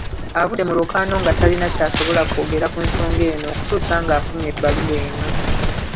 Avudde mu lwokaano nga talina ky'asobola kwogera ku nsonga eno okutuusa ng'afunye ebbaluwa eno.